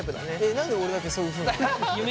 何で俺だけそういうふうに言うの？